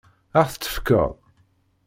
Ad ɣ-t-tefkeḍ?